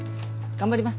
頑張ります。